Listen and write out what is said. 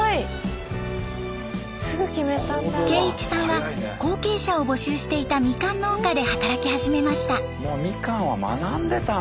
圭一さんは後継者を募集していたみかん農家で働き始めました。